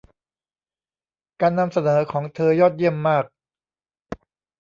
การนำเสนอของเธอยอดเยี่ยมมาก